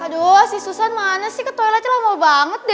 aduh si susan mana sih ke toiletnya lama banget deh